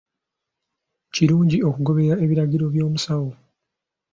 Kirungi okugoberera ebiragiro by’omusawo.